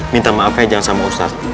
minta maafnya jangan sama ustadz